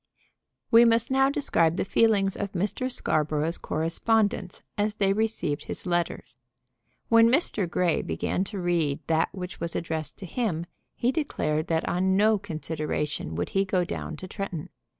We must now describe the feelings of Mr. Scarborough's correspondents as they received his letters. When Mr. Grey begun to read that which was addressed to him he declared that on no consideration would he go down to Tretton.